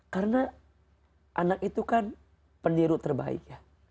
karena anak itu kan peniru terbaik